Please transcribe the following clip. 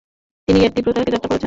তিনি মধ্য তিব্বতে যাত্রা করেন।